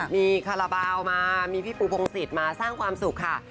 มีคาราบาลมามีพี่ปูพงศิษย์มาสร้างความสุขค่ะ